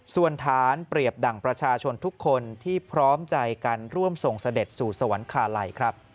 ส่วนฐานเปรียบดั่งประชาชนทุกคนที่พร้อมใจกันร่วมส่งเสด็จสู่สวรรคาลัยครับ